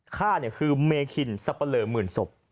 ฆ่าเนี่ยคือเมฆิลเสพาะเรอหมื่นศพ